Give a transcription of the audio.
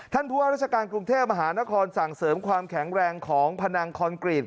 ผู้ว่าราชการกรุงเทพมหานครสั่งเสริมความแข็งแรงของพนังคอนกรีต